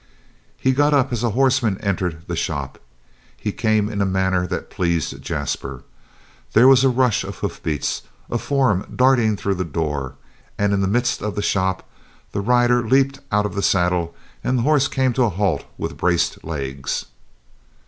He got up as a horseman entered the shop. He came in a manner that pleased Jasper. There was a rush of hoofbeats, a form darting through the door, and in the midst of the shop the rider leaped out of the saddle and the horse came to a halt with braced legs.